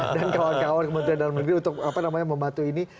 dan kawan kawan kementerian dalam negeri untuk apa namanya membantu ini